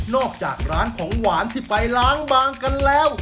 จากร้านของหวานที่ไปล้างบางกันแล้ว